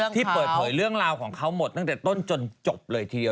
ที่เปิดเผยเรื่องราวของเขาหมดตั้งแต่ต้นจนจบเลยทีเดียว